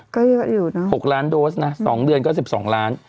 ก็เยอะอยู่เนอะ๖ล้านโดสนะ๒เดือนก็๑๒ล้าน